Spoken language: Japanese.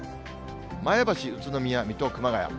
前橋、宇都宮、水戸、熊谷。